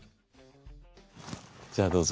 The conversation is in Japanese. じゃあどうぞ。